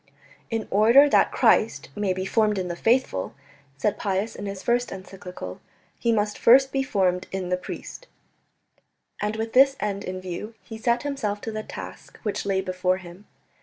"In order that Christ may be formed in the faithful," said Pius in his first encyclical, "He must first be formed in the priest," and with this end in view he set himself to the task which lay before him.